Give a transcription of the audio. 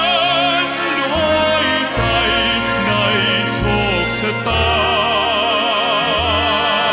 ไม่คืนขั้นหลายใจในโชคชะตา